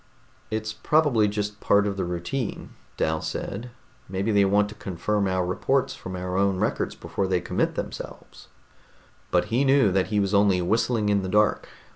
"It's probably just part of the routine," Dal said. "Maybe they want to confirm our reports from our own records before they commit themselves." But he knew that he was only whistling in the dark.